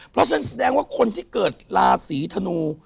เพราะฉะนั้นแสดงว่าคนที่เกิดราศีธนู